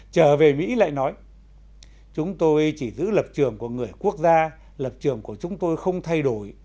trở về mỹ lại nói chúng tôi chỉ giữ lập trường của người quốc gia lập trường của chúng tôi không thay đổi